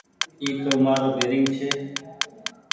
اي تو مآرو بيرينگ ڇي۔